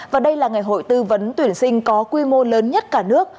và đây là ngày hội tư vấn tuyển sinh có quy mô lớn nhất cả nước